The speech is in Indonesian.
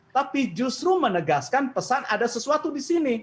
tapi justru menegaskan pesan ada sesuatu di sini